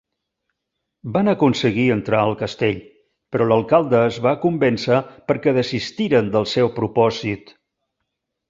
Van aconseguir entrar al castell, però l'alcalde els va convèncer perquè desistiren del seu propòsit.